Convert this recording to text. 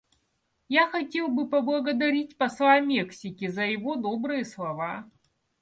Я хотел бы поблагодарить посла Мексики за его добрые слова.